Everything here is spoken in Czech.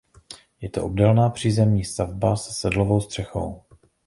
Je to obdélná přízemní stavba se sedlovou střechou.